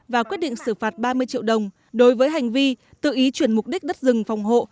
và quyết định xử phạt ba mươi triệu đồng đối với hành vi tự ý chuyển mục đích đất rừng phòng hộ